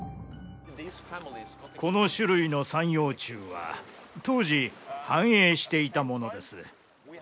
この種類の三葉虫は当時繁栄していたものです。